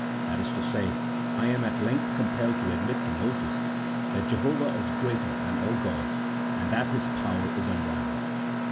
That is to say, " I am at length compelled to admit to Moses that Jehovah is greater than all gods, and that His power is unrivalled."